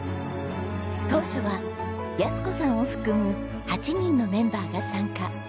当初は安子さんを含む８人のメンバーが参加。